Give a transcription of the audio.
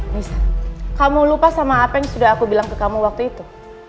nisa kamu lupa sama apa yang sudah aku bilang ke kamu waktu itu